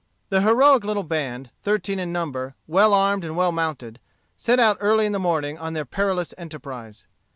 The heroic little band, thirteen in number, well armed and well mounted, set out early in the morning on their perilous enterprise.